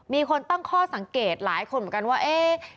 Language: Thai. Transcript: มีคนตั้งข้อสังเกตหลายคนเหมือนกันว่าเอ๊ะ